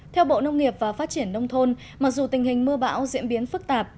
theo bộ nông nghiệp và phát triển nông thôn mặc dù tình hình mưa bão diễn biến phức tạp